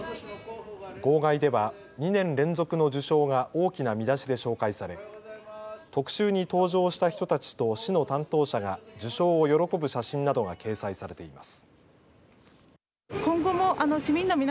号外では２年連続の受賞が大きな見出しで紹介され特集に登場した人たちと市の担当者が受賞を喜ぶ写真などが掲載されています。